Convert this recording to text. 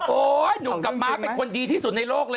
หนุ่มกับม้าเป็นคนดีที่สุดในโลกเลย